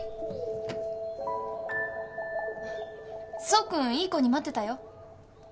爽君いい子に待ってたよ。